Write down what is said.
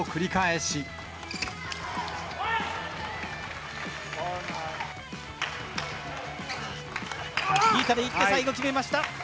チキータでいって、最後、決めました。